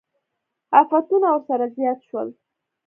افتونه ورسره زیات شول.